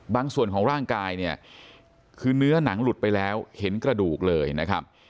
ส่วนของร่างกายเนี่ยคือเนื้อหนังหลุดไปแล้วเห็นกระดูกเลยนะครับ